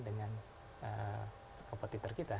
dengan sekompetitor kita